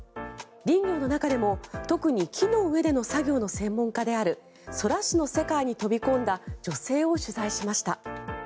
林業の中でも、特に木の上での作業の専門家である空師の世界に飛び込んだ女性を取材しました。